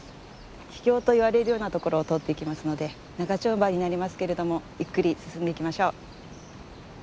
秘境といわれるようなところを通っていきますので長丁場になりますけれどもゆっくり進んでいきましょう。